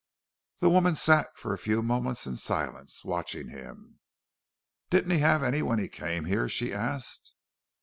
The woman sat for a few moments in silence, watching him. "Didn't he have any when he came here?" she asked.